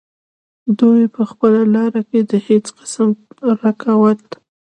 دوي پۀ خپله لاره کښې د هيڅ قسم رکاوټ